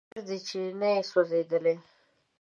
خیر دی چې ته نه یې سوځېدلی